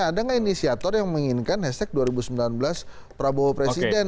ada nggak inisiator yang menginginkan hashtag dua ribu sembilan belas prabowo presiden